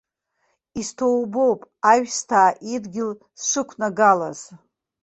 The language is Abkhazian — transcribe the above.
Исҭоубоуп, аҩсҭаа идгьыл сшықәнагалаз!